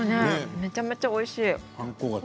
めちゃめちゃおいしい。